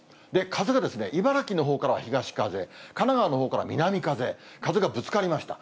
風が茨城のほうからは東風、神奈川のほうから南風、風がぶつかりました。